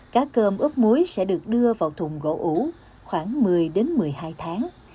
cá cơm ốp muối sẽ được đưa vào thùng gỗ ủ khoảng một mươi đến một mươi hai tháng